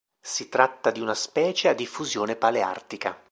Si tratta di una specie a diffusione paleartica.